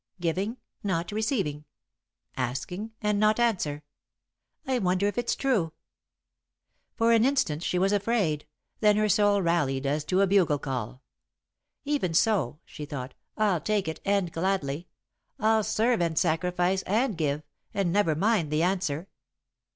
Giving, not receiving; asking, and not answer. I wonder if it's true!" For an instant she was afraid, then her soul rallied as to a bugle call. "Even so," she thought, "I'll take it, and gladly. I'll serve and sacrifice and give, and never mind the answer."